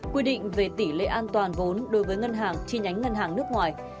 quy định về tỷ lệ an toàn vốn đối với ngân hàng chi nhánh ngân hàng nước ngoài